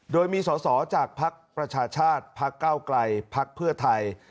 โดยมีส่วนสนสอจของภพประชาชาติภพเก้าไกลภพเผื่อไทย